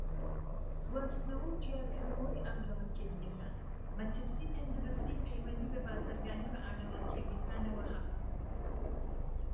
گواستنەوە و جیاکردنەوەی ئاژەڵە کێویەکان - مەترسی تەندروستی پەیوەندی بە بازرگانی بە ئاژەڵە کێویەکانەوە هەبوو.